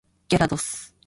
ギャラドス